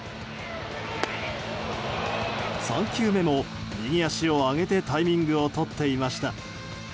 ３球目も、右足を上げてタイミングをとっていました。